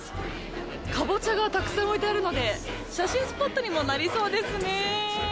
カボチャがたくさん置いてあるので写真スポットにもなりそうですね。